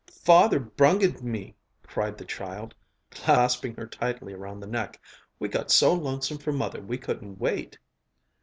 "Father brungded me," cried the child, clasping her tightly around the neck. "We got so lonesome for Mother we couldn't wait."